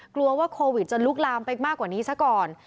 กลัวว่าโควิดจะลุกลามไปมากกว่านี้ซะก่อน